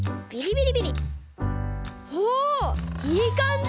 おいいかんじ！